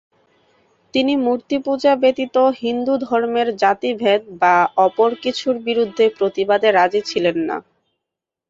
তিনি মূর্তিপূজা ব্যতীত হিন্দু ধর্মের জাতিভেদ বা অপর কিছুর বিরুদ্ধে প্রতিবাদে রাজি ছিলেন না।